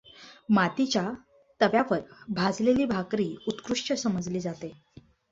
मातीच्या तव्यावर भाजलेली भाकरी उत्कृष्ट समजली जाते.